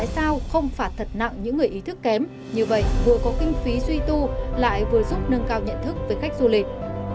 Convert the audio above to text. sao không phạt thật nặng những người ý thức kém như vậy vừa có kinh phí duy tu lại vừa giúp nâng cao nhận thức với khách du lịch